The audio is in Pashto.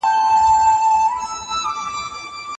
کمپيوټر هارډوېر پېژني.